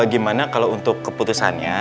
gimana kalau untuk keputusannya